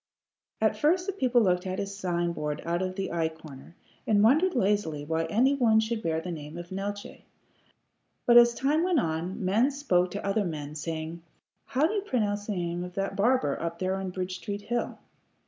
At first the people looked at his sign board out of the eye corner, and wondered lazily why any one should bear the name of Neeltje; but as time went on, men spoke to other men, saying, "How do you pronounce the name of that barber up there on Bridge Street hill?"